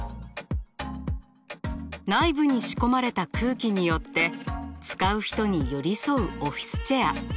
内部に仕込まれた空気によって使う人に寄り添うオフィスチェア。